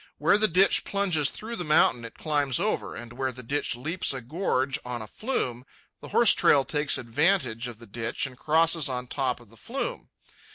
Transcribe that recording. Where the ditch plunges through the mountain, it climbs over; and where the ditch leaps a gorge on a flume, the horse trail takes advantage of the ditch and crosses on top of the flume.